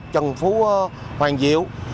trần phú hoàng diệu